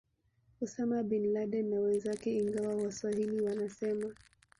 Osama Bin Laden na wenzake ingawa waswahili wanasema